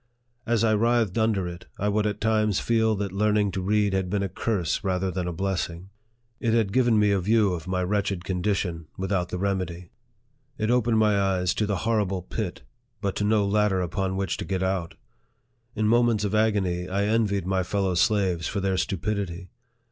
As I writhed under it, I would at times feel that learning to read had been a curse rather than a blessing. It had given me a view of my wretched condition, without the remedy. It opened my eyes to the horrible pit, but to no ladder upon which to get out. In moments of agony, I envied my fellow slaves for their stupidity.